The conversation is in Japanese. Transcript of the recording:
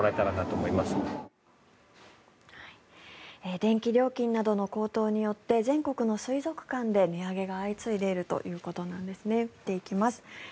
電気料金などの高騰によって全国の水族館で値上げが相次いでいるということなんです見ていきます。